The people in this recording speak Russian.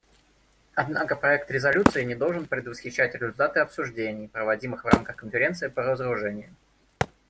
Однако проект резолюции не должен предвосхищать результаты обсуждений, проводимых в рамках Конференции по разоружению.